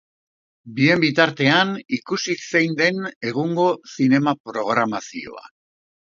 Bien bitartean, ikusi zein den egungo zinema-programazioa!